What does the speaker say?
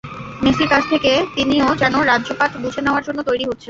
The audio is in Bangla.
মেসির কাছ থেকে তিনিও যেন রাজ্যপাট বুঝে নেওয়ার জন্য তৈরি হচ্ছেন।